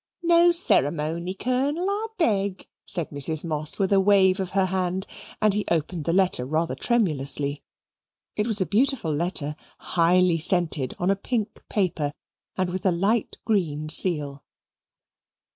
"No ceramony, Colonel, I beg," said Mrs. Moss with a wave of her hand, and he opened the letter rather tremulously. It was a beautiful letter, highly scented, on a pink paper, and with a light green seal.